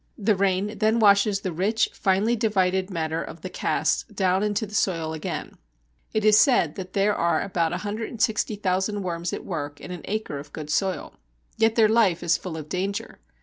The rain then washes the rich, finely divided matter of the casts down into the soil again. It is said that there are about 160,000 worms at work in an acre of good soil. Yet their life is full of danger.